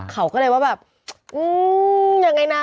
เขาก็เลยว่าแบบอืมยังไงนะ